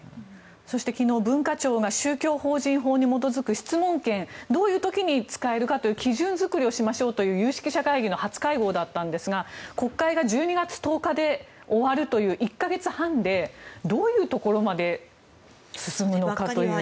そして昨日文化庁が宗教法人法に基づく質問権、どういう時に使えるかという基準作りをしましょうという有識者会議の初会合だったんですが国会が１２月１０日で終わるという１か月半でどういうところまで進むのかという。